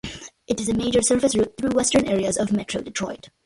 It is a major surface route through western areas of Metro Detroit.